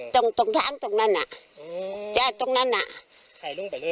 ตรงตรงทางตรงนั้นอ่ะอืมจากตรงนั้นน่ะใส่ลงไปเลย